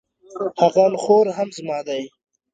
هغه انخورهم زما دی